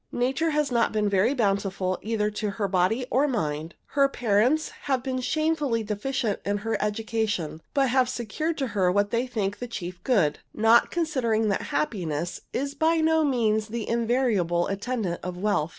Nature has not been very bountiful either to her body or mind. Her parents have been shamefully deficient in her education, but have secured to her what they think the chief good not considering that happiness is by no means the invariable attendant of wealth.